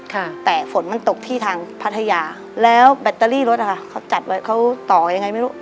ค่ะแต่ฝนมันตกที่ทางพัทยาแล้วแบตเตอรี่รถอ่ะค่ะเขาจัดไว้เขาต่อยังไงไม่รู้